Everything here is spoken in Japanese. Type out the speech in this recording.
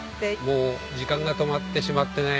もう時間が止まってしまってね。